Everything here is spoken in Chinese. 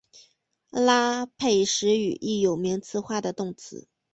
阿拉佩什语亦有名词化的动词。